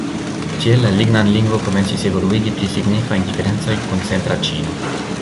Tiel la Lingnan-lingvo komencis evoluigi pli signifajn diferencojn kun centra ĉino.